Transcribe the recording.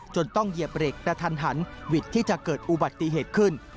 ต้องเหยียบเหล็กแต่ทันหันวิทย์ที่จะเกิดอุบัติเหตุขึ้น